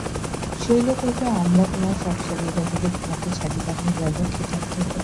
শৈল কহিল, আমরা তোমার সব শালীরা মিলে তোমাকে শালীবাহন রাজা খেতাব দেব।